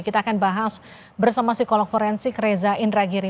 kita akan bahas bersama psikolog forensik reza indragiri